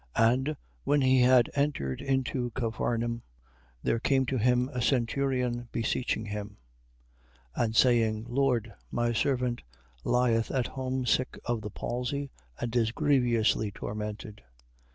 8:5. And when he had entered into Capharnaum, there came to him a centurion, beseeching him, 8:6. And saying, Lord, my servant lieth at home sick of the palsy, and is grievously tormented.